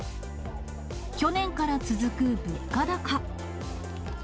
去年から続く物価高。